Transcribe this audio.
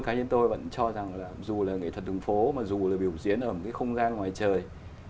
các nhân viên tôi vẫn cho rằng là dù là nghệ thuật đường phố mà dù là biểu diễn ở một cái không gian ngoài trời